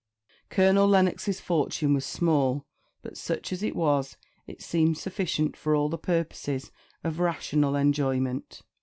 Colonel Lennox's fortune was small; but such as it was, it seemed sufficient for all the purposes of rational enjoyment.